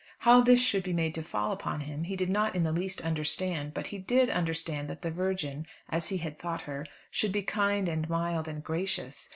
How this should be made to fall upon him, he did not in the least understand; but he did understand that the Virgin as he had thought her, should be kind, and mild, and gracious.